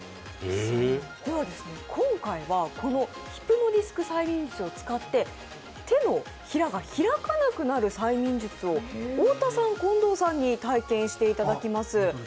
今回はヒプノディスク催眠術をつかって、手のひらが開かなくなる催眠術を太田さん、近藤さんに体験していただきます。